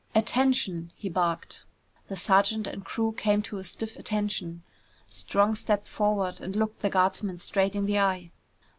"Attention!" he barked. The sergeant and the crew came to stiff attention. Strong stepped forward and looked the guardsman straight in the eye.